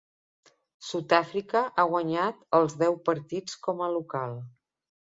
Sud-àfrica ha guanyat els deu partits com a local.